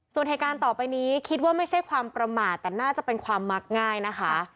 ส่วนเหตุการณ์ต่อไปนี้คิดว่าไม่ใช่ความประมาทแต่น่าจะเป็นความมักง่ายนะคะ